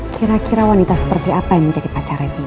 kira kira wanita seperti apa yang menjadi pacarnya bimo